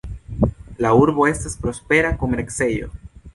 La urbo estas prospera komercejo.